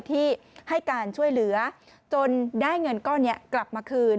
ที่ให้การช่วยเหลือจนได้เงินก้อนนี้กลับมาคืน